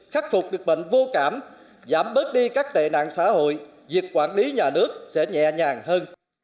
khắc phục được bệnh vô cảm giảm bớt đi các tệ nạn xã hội việc quản lý nhà nước sẽ nhẹ nhàng hơn